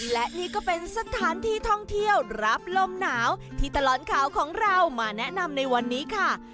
และนี่ก็เป็นสถานที่ท่องเที่ยวรับลมหนาวที่ตลอดข่าวของเรามาแนะนำในวันนี้ค่ะ